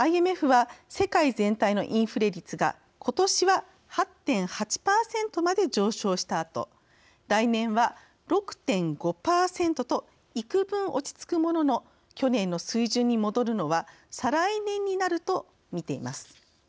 ＩＭＦは世界全体のインフレ率が今年は８．８％まで上昇したあと来年は６．５％といくぶん落ち着くものの去年の水準に戻るのは再来年になると見ています。